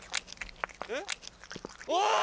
えっ？